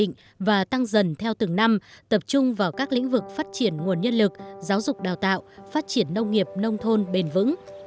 họ tăng dần theo tầng năm tập trung vào các lĩnh vực phát triển nguồn nhân lực giáo dục đào tạo phát triển nông nghiệp nông thôn bền vững